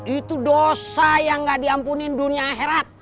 itu dosa yang gak diampuni dunia akhirat